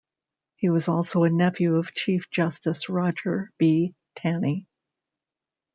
He was also a nephew of Chief Justice Roger B. Taney.